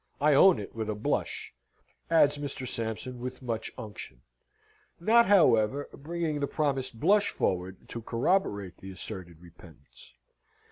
I own it with a blush," adds Mr. Sampson with much unction not, however, bringing the promised blush forward to corroborate the asserted repentance.